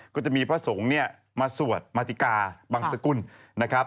ก็จะมีพระสงฆ์เนี่ยมาสวดมาติกาบังสกุลนะครับ